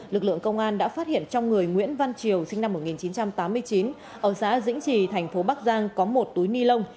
lực lượng công an đã phát hiện trong người nguyễn văn triều sinh năm một nghìn chín trăm tám mươi chín ở xã dĩnh trì thành phố bắc giang có một túi ni lông